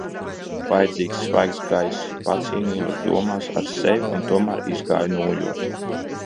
Vajadzīgs svaigs gaiss. Pacīnījos domās ar sevi un tomēr izgāju nūjot.